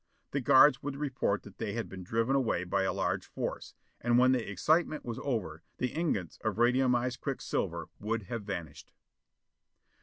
The guards would report that they had been driven away by a large force. And when the excitement was over, the ingots of radiumized quicksilver would have vanished!